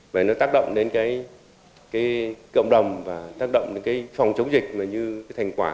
vậy nó tác động đến cái cộng đồng và tác động đến cái phòng chống dịch như thành quả